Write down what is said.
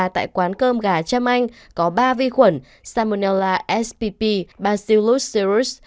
tại quán cơm gà trâm anh có ba vi khuẩn salmonella spp bacillus seriesus